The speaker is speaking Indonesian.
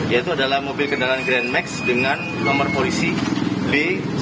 yaitu adalah mobil kendaraan grand max dengan nomor polisi d seribu enam ratus tiga puluh lima